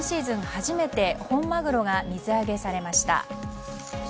初めて本マグロが水揚げされました。